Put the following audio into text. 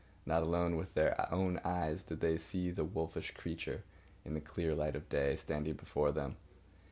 Not alone with their own eyes did they see the wolfish creature in the clear light of day, standing before them.